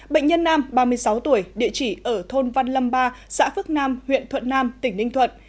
bệnh nhân nam ba mươi sáu tuổi địa chỉ ở thôn văn lâm ba xã phước nam huyện thuận nam tỉnh ninh thuận